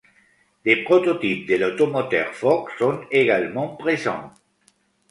Des prototypes de l'automoteur Foch sont également présents.